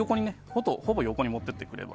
ほぼ横に持っていってくれば。